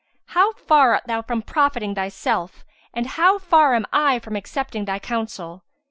How far art thou from profiting thyself and how far am I from accepting thy counsel!